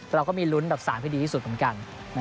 เราก็มีลุ้นดับ๓ให้ดีที่สุดเหมือนกัน